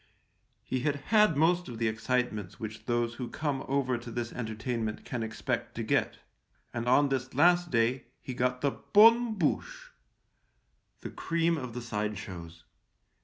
He had had most of the excitements which those who come over to this entertainment can expect to get, and on this last day he got the bonne bouche — the cream of the side shows.